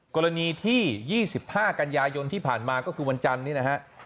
กรณีที่๒๕กันยายนที่ผ่านมาก็คือวันจันทร์นี้นะฮะ